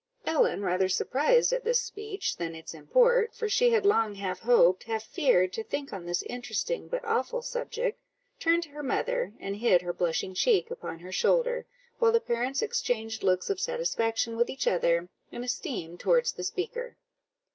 Ellen, rather surprised at this speech than its import, for she had long half hoped, half feared, to think on this interesting but awful subject, turned to her mother, and hid her blushing cheek upon her shoulder, while the parents exchanged looks of satisfaction with each other, and esteem towards the speaker.